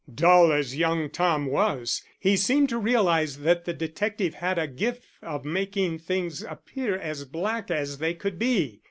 Dull as young Tom was, he seemed to realize that the detective had a gift of making things appear as black as they could be.